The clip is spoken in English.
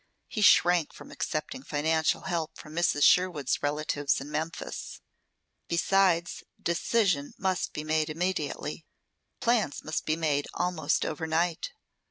He shrank from accepting financial help from Mrs. Sherwood's relatives in Memphis. Besides, decision must be made immediately. Plans must be made almost overnight.